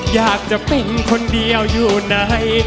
อยากจะเป็นคนเดียวอยู่ไหน